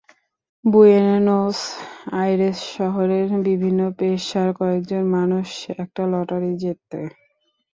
Buenos Aires শহরের বিভিন্ন পেশার কয়েকজন মানুষ একটা লটারি জেতে।